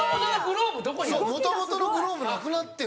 元々のグローブなくなってる。